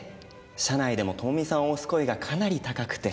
社内でも友美さんを推す声がかなり高くて。